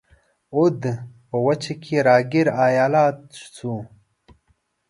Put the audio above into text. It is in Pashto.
اَوَد په وچه کې را ګیر ایالت شو.